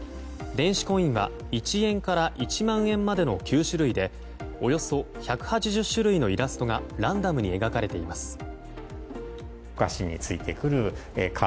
電子コインは１円から１万円までの９種類でおよそ１８０種類のイラストがランダムに描かれています。